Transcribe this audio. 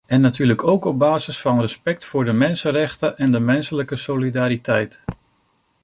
En natuurlijk ook op basis van respect voor de mensenrechten en de menselijke solidariteit.